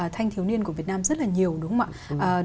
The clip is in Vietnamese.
thanh thiếu niên của việt nam rất là nhiều đúng không ạ